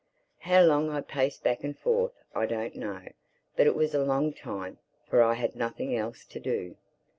How long I paced back and forth I don't know. But it was a long time—for I had nothing else to do.